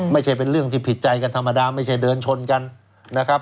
ไม่ใช่เป็นเรื่องที่ผิดใจกันธรรมดาไม่ใช่เดินชนกันนะครับ